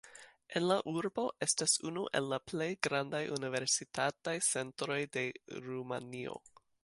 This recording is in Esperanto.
En la urbo estas unu el la plej grandaj universitataj centroj de Rumanio.